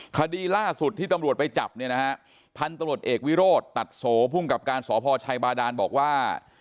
คดีล่าสุดที่ตำรวจไปจับเนี่ยนะฮะพันธุ์ตำรวจเอกวิโรธตัดโสภูมิกับการสพชัยบาดานบอกว่า